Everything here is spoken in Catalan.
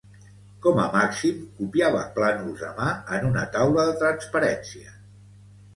Com a màxim copiava plànols a mà en una taula de transparències